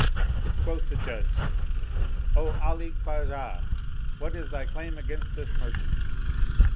Quoth the Judge, "O Ali Khwajah, what is thy claim against this merchant?"